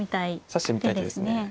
指してみたい手ですね。